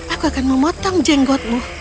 aku akan memotong jangkutmu